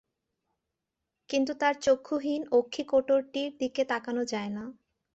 কিন্তু তার চক্ষুহীন অক্ষিকোটরটির দিকে তাকানো যায় না।